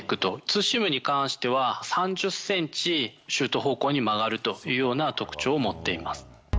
ツーシームに関しては、３０センチ、シュート方向に曲がるというような特徴を持っています。